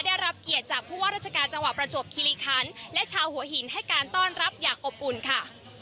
ได้รับเกียรติจากผู้ว่าราชการจังหวัดประจวบคิริคันและชาวหัวหินให้การต้อนรับอย่างอบอุ่นค่ะ